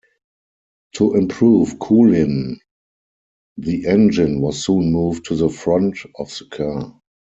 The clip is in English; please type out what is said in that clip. To improve cooling the engine was soon moved to the front of the car.